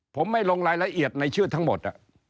ผมไม่ลงรายละเอียดในชื่อทั้งหมด